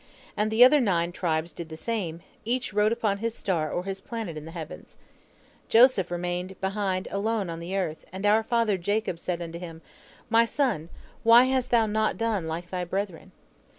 And the other nine tribes did the same, each rode upon his star or his planet in the heavens. Joseph remained behind alone on the earth, and our father Jacob said to him, 'My son, why hast thou not done like thy brethren?'